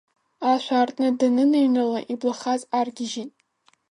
Ашә аартны даныныҩнала, иблахаҵ аргьежьит.